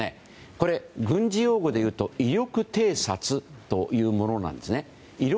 これ、軍事用語でいうと威力偵察というものなんですね。